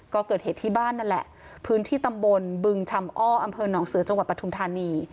ก็เกิดเหตุที่บ้านนั่นแหละพื้นที่ตำบลบึงชำอ้ออำเภอหนองเสือจังหวัดปทุมธานี